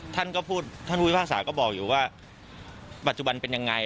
ท่านพูดภาษาก็บอกอยู่ว่าปัจจุบันเป็นอย่างไร